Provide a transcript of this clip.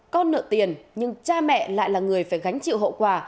con nợ tiền nhưng cha mẹ lại là người phải gánh chịu hậu quả